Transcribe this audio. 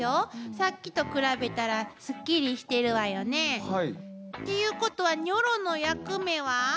さっきと比べたらすっきりしてるわよね。っていうことはニョロの役目は？ない。